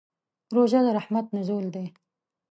روژه د رحمت نزول دی.